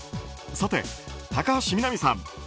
さて、高橋みなみさん。